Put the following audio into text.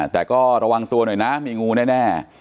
แต่ก็ระวังตัวหน่อยนะมีงูแน่